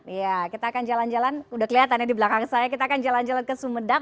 iya kita akan jalan jalan udah kelihatan ya di belakang saya kita akan jalan jalan ke sumedang